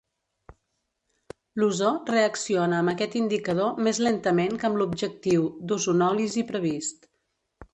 L'ozó reacciona amb aquest indicador més lentament que amb l'objectiu d'ozonòlisi previst.